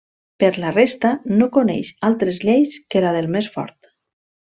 Per la resta, no coneix altres lleis que la del més fort.